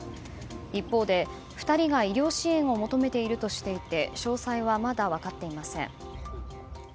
一方で、２人が医療支援を求めているとしていて詳細はまだ分かっていません。